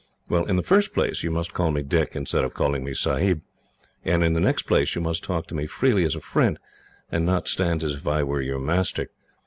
"Well, in the first place, you must call me Dick, instead of calling me sahib; and in the next place, you must talk to me freely, as a friend, and not stand as if I were your master.